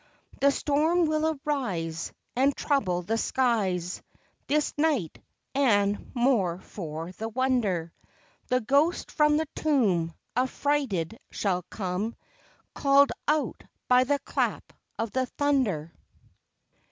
The storm will arise, And trouble the skies This night; and, more for the wonder, The ghost from the tomb Affrighted shall come, Call'd out by the clap of the thunder.